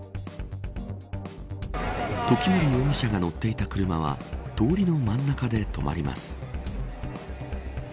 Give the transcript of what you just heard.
時森容疑者が乗っていた車は通りの真ん中で止まります。